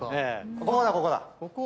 ここだここだ。